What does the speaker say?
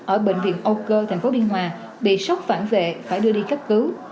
ở bệnh viện âu cơ tp biên hòa bị sốc phản vệ phải đưa đi cấp cứu